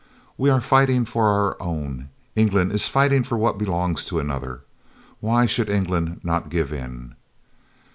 We are fighting for our own, and England is fighting for what belongs to another. Why should England not give in?"